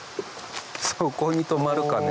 そこに止まるかね。